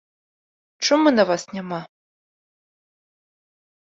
Чумы на вас няма!